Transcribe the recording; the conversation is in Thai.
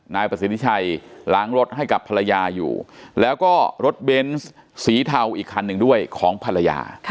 นายประสิทธิชัยล้างรถให้กับภรรยาอยู่แล้วก็รถเบนส์สีเทาอีกคันหนึ่งด้วยของภรรยา